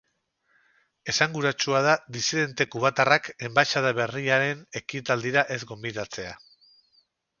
Esanguratsua da disidente kubatarrak enbaxada berriaren ekitaldira ez gonbidatzea.